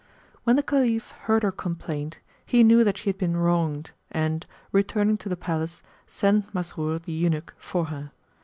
When the Caliph heard her complaint, he knew that she had been wronged and, returning to the palace, sent Masrur the Eunuch for her.